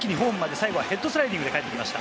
最後はヘッドスライディングでかえってきました。